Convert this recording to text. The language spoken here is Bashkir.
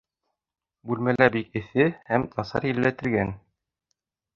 Бүлмәлә бик эҫе һәм насар елләтелгән